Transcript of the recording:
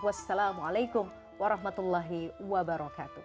wassalamualaikum warahmatullahi wabarakatuh